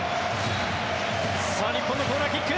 さあ日本のコーナーキック。